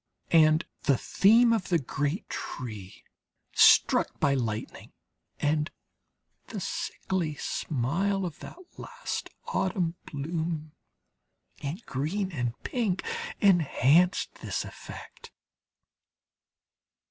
And the theme of the great tree struck by lightning, and the sickly smile of that last autumn bloom in green and pink, enhanced this effect.